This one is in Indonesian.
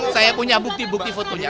saya punya bukti bukti fotonya